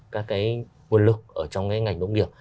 các cái nguồn lực ở trong cái ngành nông nghiệp